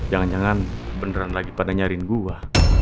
jangan jangan beneran lagi pada nyariin gue